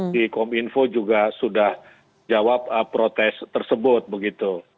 di kominfo juga sudah jawab protes tersebut begitu